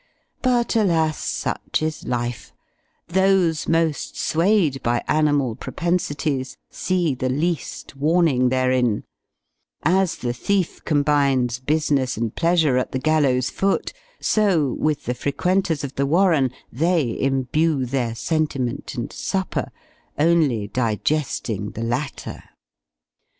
But, alas! such is life those most swayed by animal propensities see the least warning therein: as, the thief combines business and pleasure at the gallow's foot; so, with the frequenters of the "Warren" they imbue their sentiment and supper, only digesting the latter.